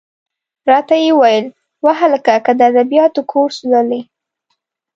را ته یې وویل: وهلکه! که د ادبیاتو کورس لولې.